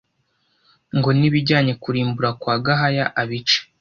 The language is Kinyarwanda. ngo nibajye kurimbura kwa Gahaya abice